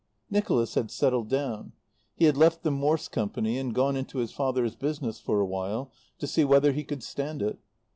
Nicholas had settled down. He had left the Morss Company and gone into his father's business for a while, to see whether he could stand it.